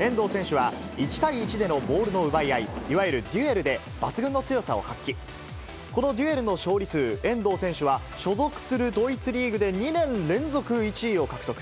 遠藤選手は、１対１でのボールの奪い合い、いわゆるデュエルで、抜群の強さを発揮、そのデュエル数で遠藤選手は所属するドイツリーグで２年連続１位を獲得。